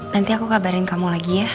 nanti aku kabarin kamu lagi ya